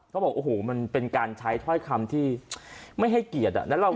เขาบอกโอ้โหมันเป็นการใช้ถ้อยคำที่ไม่ให้เกียรติ